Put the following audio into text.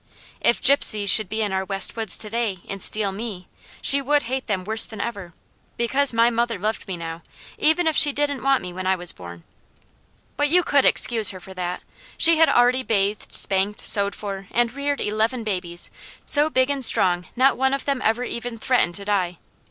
If Gypsies should be in our west woods to day and steal me, she would hate them worse than ever; because my mother loved me now, even if she didn't want me when I was born. But you could excuse her for that. She had already bathed, spanked, sewed for, and reared eleven babies so big and strong not one of them ever even threatened to die.